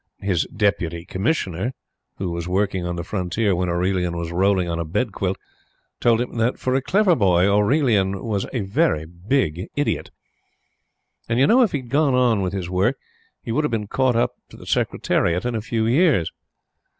His Deputy Commissioner, who was working on the Frontier when Aurelian was rolling on a bed quilt, told him that, for a clever boy, Aurelian was a very big idiot. And, you know, if he had gone on with his work, he would have been caught up to the Secretariat in a few years.